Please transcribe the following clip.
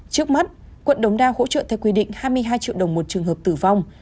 trước mắt quận đống đa hỗ trợ theo quy định hai mươi hai triệu đồng một trường hợp tử vong